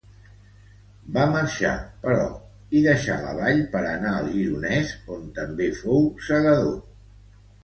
Va marxar, però, i deixà la vall per anar al Gironès, on també fou segador.